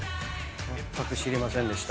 まったく知りませんでした。